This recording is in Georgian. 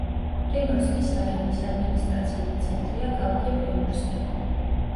პრიმორსკის რაიონის ადმინისტრაციული ცენტრია ქალაქი პრიმორსკი.